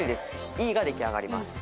Ｅが出来上がります。